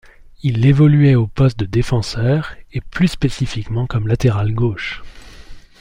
Il évoluait au poste de défenseur, et plus spécifiquement comme latéral gauche.